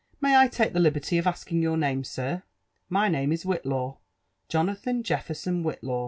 — May I lake the liberty of asking your name, sir?*' «* My name is Whitlaw ;— Jonathan Jefferson Whitlaw.